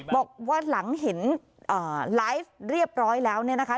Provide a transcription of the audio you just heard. บอกว่าหลังเห็นไลฟ์เรียบร้อยแล้วเนี่ยนะคะ